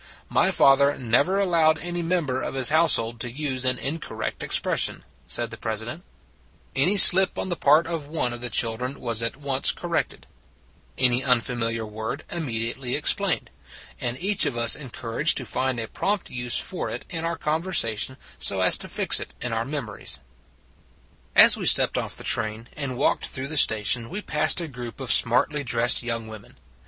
" My father never allowed any mem ber of his household to use an incorrect expression, said the President. Any 211 212 It s a Good Old World slip on the part of one of the children was at once corrected; any unfamiliar word immediately explained, and each of us en couraged to find a prompt use for it in our conversation so as to fix it in our mem ories. " As we stepped off the train and walked through the station, we passed a group of smartly dressed young women.